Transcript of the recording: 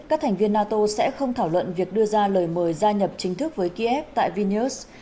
các thành viên nato sẽ không thảo luận việc đưa ra lời mời gia nhập chính thức với kiev tại vinius